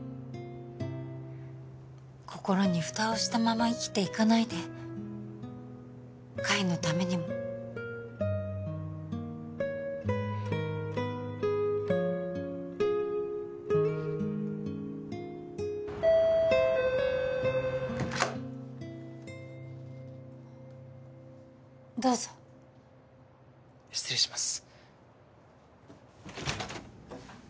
心にフタをしたまま生きていかないで海のためにもどうぞ失礼します